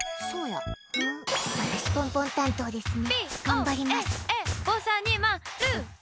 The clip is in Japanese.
私、ポンポン担当ですね。